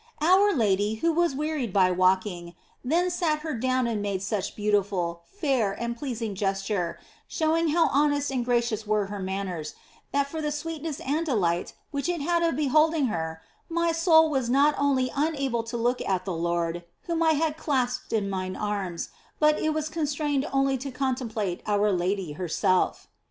OF FOLIGNO 233 Our Lady, who was wearied by walking, then sat her down and made such beautiful, fair, and pleasing gesture (showing how honest and gracious were her manners), that for the sweetness and delight which it had of behold ing her my soul was not only unable to look at the Lord (whom I held clasped in mine arms), but it was constrained only to contemplate our Lady herself.